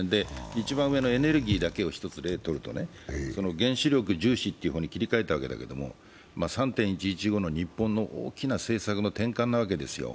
一番上のエネルギーだけを例にとると原子力重視ということに切り替えたわけだけれども、３・１１後の日本の大きな政策の転換なわけですよ。